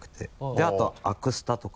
であとアクスタとか。